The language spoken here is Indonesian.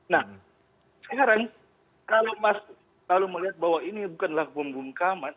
nah sekarang kalau melihat bahwa ini bukanlah bumbung kaman